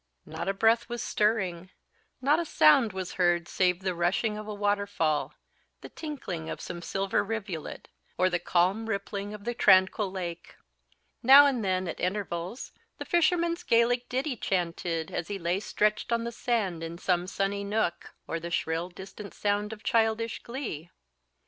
Not a breath was stirring, not a sound was heard save the rushing of a waterfall, the tinkling of some silver rivulet, or the calm rippling of the tranquil lake; now and then, at intervals, the fisherman's Gaelic ditty chanted, as he lay stretched on the sand in some sunny nook; or the shrill distant sound of childish glee.